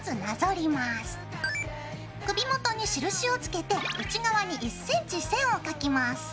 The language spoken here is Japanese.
首元に印をつけて内側に１ｃｍ線を描きます。